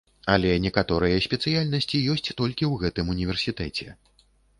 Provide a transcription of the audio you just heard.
Але некаторыя спецыяльнасці ёсць толькі ў гэтым універсітэце.